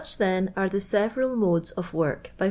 thi'n, are the several modca* of work hy whi.